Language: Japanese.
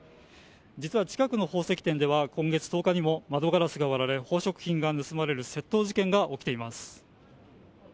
実は、近くの宝石店では今月１０日にも窓ガラスが割られ宝飾品が盗まれる窃盗事件が起きています。